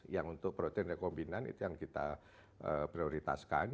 yang untuk protein rekombinan itu yang kita prioritaskan